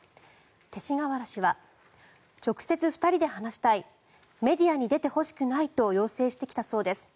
勅使河原氏は直接２人で話したいメディアに出てほしくないと要請してきたそうです。